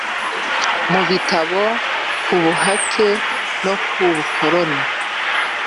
mu bitabo ku buhake no ku bukoloni